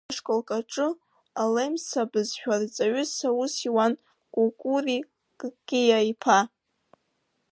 Қыҭа школк аҿы алемса бызшәа рҵаҩыс аус иуан Кәукәури Кикиа-иԥа.